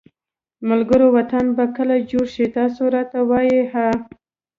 ملګروو وطن به کله جوړ شي تاسو راته ووایی ها